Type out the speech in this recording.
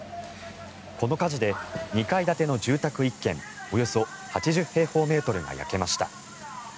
この火事で２階建ての住宅１軒およそ８０平方メートルが焼けました。